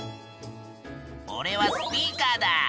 おれはスピーカーだ。